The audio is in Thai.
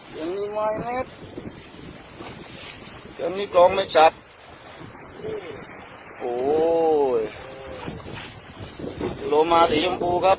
สาธารณีช่องแรงแสเอาไว้อยู่กัน